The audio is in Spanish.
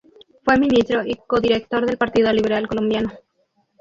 Fue Ministro y codirector del Partido Liberal Colombiano.